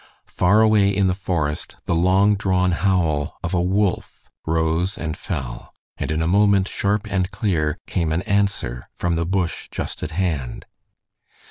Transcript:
Far away in the forest the long drawn howl of a wolf rose and fell, and in a moment sharp and clear came an answer from the bush just at hand.